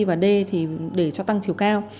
và d để cho tăng chiều cao